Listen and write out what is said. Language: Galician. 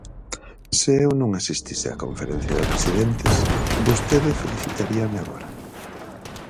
Se eu non asistise á Conferencia de Presidentes, vostede felicitaríame agora.